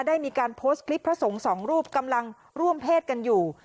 ได้มีการโพสต์คลิปพระสงฆ์สองรูปกำลังร่วมเพศกันอยู่